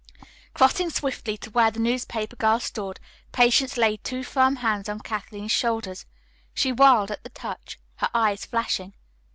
Crossing swiftly to where the newspaper girl stood, Patience laid two firm hands on Kathleen's shoulders. She whirled at the touch, her eyes flashing.